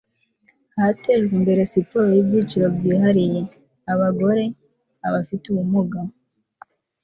hatejwe imbere siporo y'ibyiciro byihariye (abagore, abafite ubumuga